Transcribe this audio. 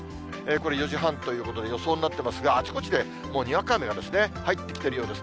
これ４時半ということで、予想になってますが、あちこちでもうにわか雨が入ってきているようです。